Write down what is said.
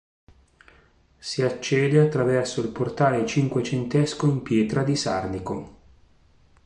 Si accede attraverso il portale cinquecentesco in pietra di Sarnico.